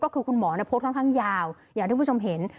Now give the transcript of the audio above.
ก็คือคุณหมอโพสต์ค่อนข้างยาวอย่างที่คุณผู้ชมเห็น